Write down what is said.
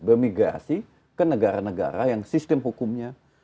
bermigrasi ke negara negara yang sistem hukumnya